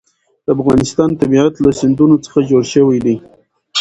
د افغانستان طبیعت له سیندونه څخه جوړ شوی دی.